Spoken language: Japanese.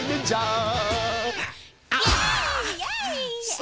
あ！